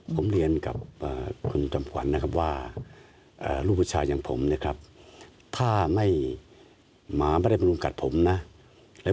ผมเรียนกับคุณจำควรนะครับว่าลูกบุชชายังผม๋ถ้าไม่หมามาที่บริษัทผมนะ